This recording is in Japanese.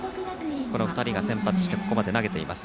この２人が先発してここまで投げています。